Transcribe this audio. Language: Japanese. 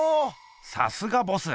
さすがボス！